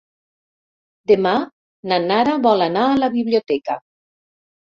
Demà na Nara vol anar a la biblioteca.